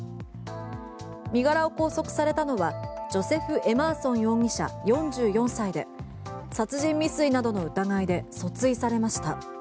身柄を拘束されたのはジョセフ・エマーソン容疑者４４歳で殺人未遂などの疑いで訴追されました。